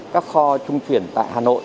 các kho trung chuyển tại hà nội